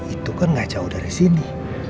itu kan gak jauh dari sini